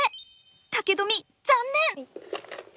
武富残念！